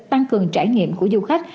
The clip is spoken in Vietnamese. tăng cường trải nghiệm của du khách